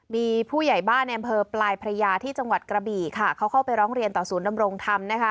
มีผู้ใหญ่บ้านในอำเภอปลายพระยาที่จังหวัดกระบี่ค่ะเขาเข้าไปร้องเรียนต่อศูนย์ดำรงธรรมนะคะ